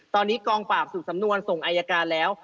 ตอนนี้กองปราบสู่สำนวนส่งอายการแล้ว